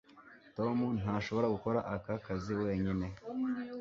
tom ntashobora gukora aka kazi wenyine